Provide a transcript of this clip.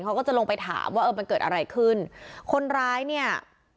เขาก็จะลงไปถามว่าเออมันเกิดอะไรขึ้นคนร้ายเนี่ย